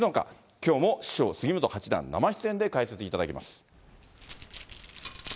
きょうも師匠、杉本八段生出演で解説いただきます。